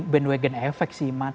bandwagon efek sih